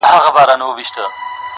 زه چي هر عمل کوم ورته مجبور یم؛